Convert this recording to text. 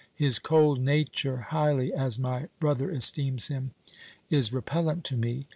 His cold nature, highly as my brother esteems him, is repellent to me.